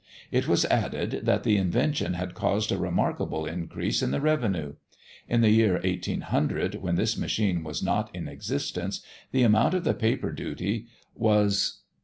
It was added that the invention had caused a remarkable increase in the revenue: in the year 1800, when this machine was not in existence, the amount of the paper duty was 195,641_l.